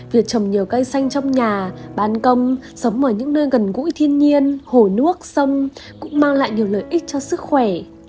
việc trồng nhiều cây xanh trong nhà bán công sống ở những nơi gần gũi thiên nhiên hồ nước sông cũng mang lại nhiều lợi ích cho sức khỏe